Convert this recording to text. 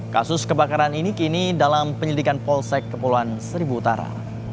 kasus kebakaran ini kini dalam penyelidikan polsek kepulauan seribu utara